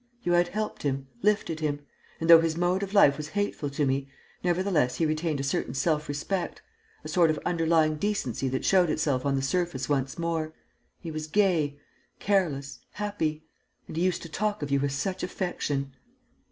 You had helped him, lifted him; and, though his mode of life was hateful to me, nevertheless he retained a certain self respect ... a sort of underlying decency that showed itself on the surface once more.... He was gay, careless, happy.... And he used to talk of you with such affection!"